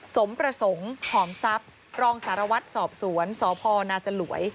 สมประสงค์หอมทรัพย์รองสารวัตรสอบสวนสพนาจลวย